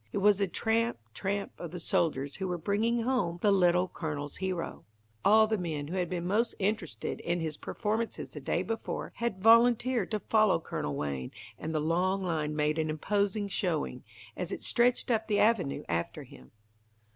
It was the tramp, tramp of the soldiers who were bringing home the Little Colonel's Hero, All the men who had been most interested in his performances the day before, had volunteered to follow Colonel Wayne, and the long line made an imposing showing, as it stretched up the avenue after him.